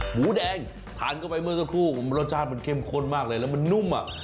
หมูแดงทานเข้าไปเมื่อสักครู่รสชาติมันเข้มข้นมากเลยแล้วมันนุ่มอ่ะ